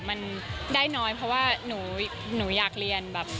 มันได้น้อยเพราะว่าหนูอยากเรียนแบบ